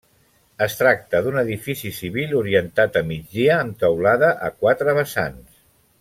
Es tracta d'un edifici civil orientat a migdia amb teulada a quatre vessants.